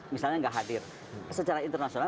misalnya nggak hadir secara internasional